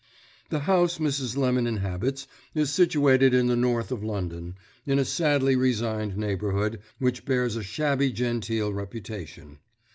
The house Mrs. Lemon inhabits is situated in the north of London, in a sadly resigned neighbourhood, which bears a shabby genteel reputation.